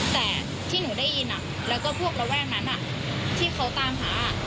แต่ที่หนูได้ยินแล้วก็พวกระแวกนั้นที่เขาตามหา